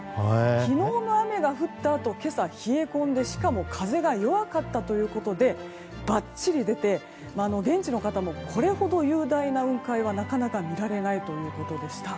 昨日の雨が降ったあと今朝は冷え込んで風も弱かったということでばっちり出て、現地の方もこれほど雄大な雲海はなかなか見られないということでした。